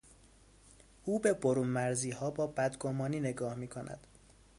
او به برونمرزیها با بد گمانی نگاه میکند.